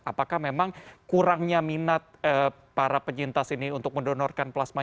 apakah memang kurangnya minat para penyintas ini untuk menerima